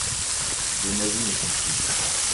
Les nazis ne sont plus.